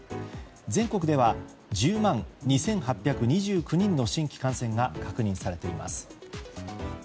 全国では１０万２８２９人の新規感染者が確認されています。